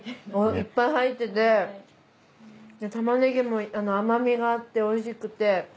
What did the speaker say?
いっぱい入っててでタマネギも甘みがあって美味しくて。